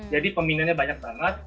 jadi peminatnya banyak banget